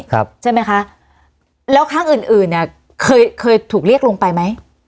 ครับใช่ไหมคะแล้วครั้งอื่นอื่นเนี้ยเคยเคยถูกเรียกลงไปไหม